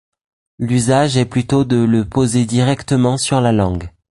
L'usage est plutôt de le poser directement sur la langue.